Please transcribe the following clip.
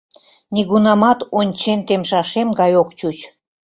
Нигунамат ончен темшашем гай ок чуч.